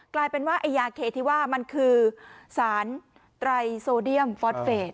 กลายเป็นว่าไอ้ยาเคที่ว่ามันคือสารไตรโซเดียมฟอสเฟส